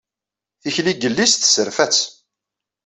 Tikli n yelli-s tesserfa-tt.